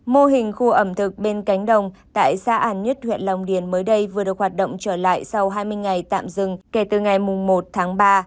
mô hình khu ẩm thực bên cánh đồng tại xã an nhất huyện long điền mới đây vừa được hoạt động trở lại sau hai mươi ngày tạm dừng kể từ ngày một tháng ba